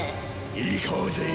行こうぜ。